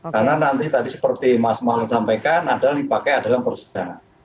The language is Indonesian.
karena nanti tadi seperti mas malin sampaikan adalah dipakai dalam persidangan